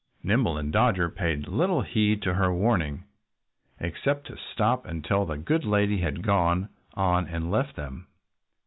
Nimble and Dodger paid little heed to her warning, except to stop until the good lady had gone on and left them.